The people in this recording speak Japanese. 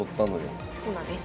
そうなんです。